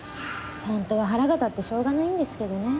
本当は腹が立ってしょうがないんですけどね。